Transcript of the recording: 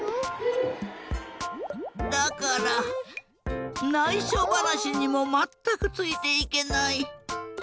だからないしょばなしにもまったくついていけない。